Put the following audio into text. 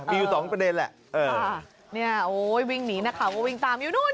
มีอยู่สองประเด็นแหละเออเนี่ยโอ้ยวิ่งหนีนักข่าวก็วิ่งตามอยู่นู้น